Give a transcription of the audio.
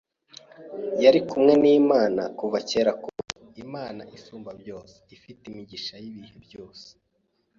Yari kumwe n’Imana kuva kera kose, Imana isumba byose, ifite imigisha y’ibihe byose.